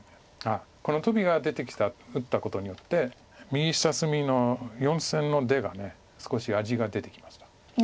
あっこのトビが出てきた打ったことによって右下隅の４線の出が少し味が出てきました。